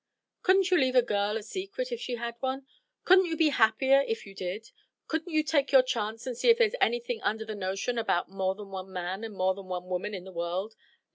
"Couldn't you leave a girl a secret if she had one? Couldn't you be happier if you did? Couldn't you take your chance and see if there's anything under the notion about more than one man and more than one woman in the world?